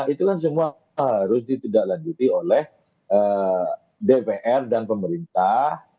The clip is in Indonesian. itu kan semua harus ditindaklanjuti oleh dpr dan pemerintah